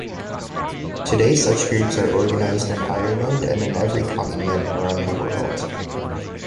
Today such groups are organised in Ireland and in every continent around the world.